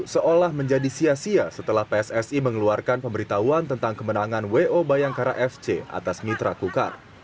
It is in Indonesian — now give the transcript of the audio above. seolah menjadi sia sia setelah pssi mengeluarkan pemberitahuan tentang kemenangan wo bayangkara fc atas mitra kukar